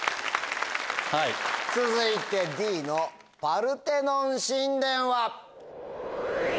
続いてＤの「パルテノン神殿」は？